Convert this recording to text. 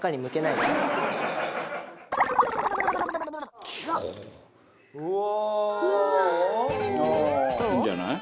「いいんじゃない？」